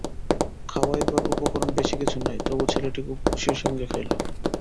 খাওয়াইবার উপকরণ বেশি কিছু নাই, তবু ছেলেটি খুব খুশির সঙ্গে খাইল।